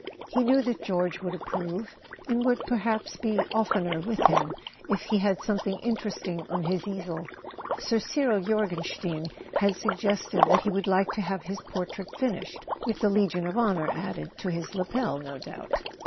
He knew that George would approve, and would perhaps be oftener with him if he had something in¬ teresting on his easel. Sir Cyril Jorgenstein had sug¬ gested that he would like to have his portrait finished —with the Legion of Honour added to his lapel, no doubt.